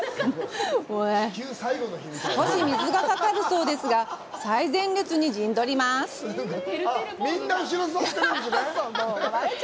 少し水がかかるそうですが最前列に陣取ります。